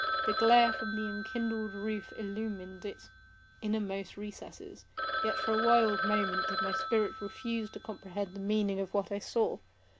The glare from the enkindled roof illumined its inmost recesses. Yet, for a wild moment, did my spirit refuse to comprehend the meaning of what I saw.